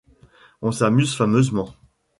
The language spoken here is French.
on s’amuse fameusement !